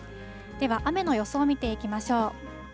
では雨の予想を見ていきましょう。